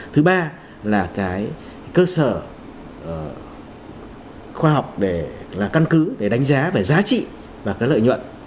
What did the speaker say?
thứ ba là cái cơ sở khoa học để là căn cứ để đánh giá về giá trị và cái lợi nhuận